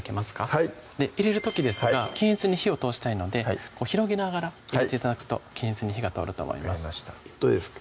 はい入れる時ですが均一に火を通したいので広げながら入れて頂くと均一に火が通ると思いますどうですか？